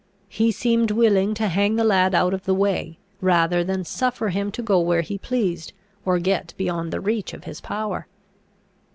He seemed willing to hang the lad out of the way, rather than suffer him to go where he pleased, or get beyond the reach of his power.